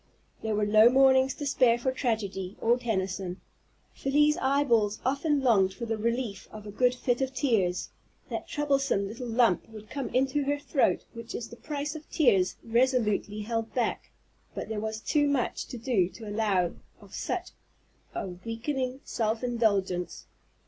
There were no mornings to spare for tragedy, or Tennyson. Felie's eyeballs often longed for the relief of a good fit of tears; that troublesome little lump would come into her throat which is the price of tears resolutely held back, but there was too much to do to allow of such a weakening self indulgence.